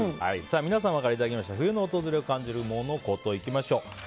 皆様からいただいた冬の訪れを感じるモノ・コトいきましょう。